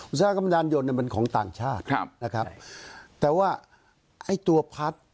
อุตสาหกรรมยานยนต์เนี่ยมันของต่างชาติครับนะครับแต่ว่าไอ้ตัวพัด